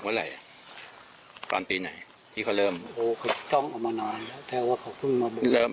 มาต้นปีที่นี่แหละ